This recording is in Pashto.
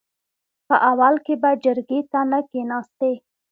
په اول کې به جرګې ته نه کېناستې .